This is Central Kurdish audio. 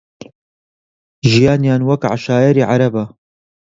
ژیانیان وەک عەشایری عەرەبە